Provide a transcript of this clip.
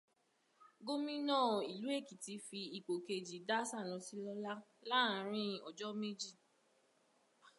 Gómìnà ìlú Èkìtì fi ipò kejì dá Sànúsí lọlá láàárín ọjọ́ méjì.